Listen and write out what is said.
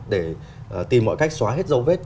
để tìm mọi cách xóa hết dấu vết